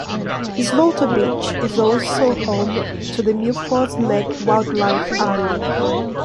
Slaughter Beach is also home to the Milford Neck Wildlife Area.